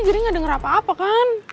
giri ga denger apa apa kan